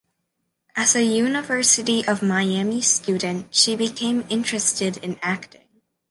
As a University of Miami student, she became interested in acting.